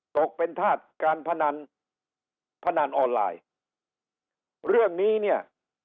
ตกเป็นธาตุการพนันพนันออนไลน์เรื่องนี้เนี่ย